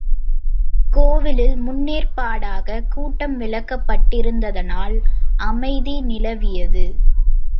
கோவிலில் முன்னேற் பாடாகக் கூட்டம் விலக்கப்பட்டிருந்ததனால் அமைதி நிலவியது.